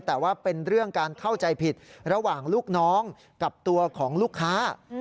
แต่ว่าเป็นเรื่องการเข้าใจผิดระหว่างลูกน้องกับตัวของลูกค้า